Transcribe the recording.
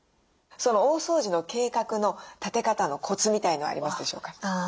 その大掃除の計画の立て方のコツみたいのはありますでしょうか？